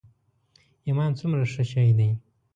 ایمان څومره ښه شی دی.